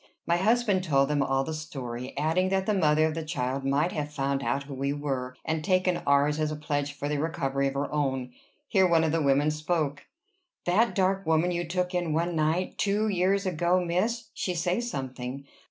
My husband told them all the story; adding that the mother of the child might have found out who we were, and taken ours as a pledge for the recovery of her own. Here one of the women spoke. "That dark woman you took in one night two years ago, miss she say something.